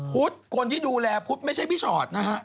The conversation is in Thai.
พุทธคนที่ดูแลพุทธไม่ใช่พี่ชอตนะฮะ